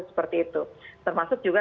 seperti itu termasuk juga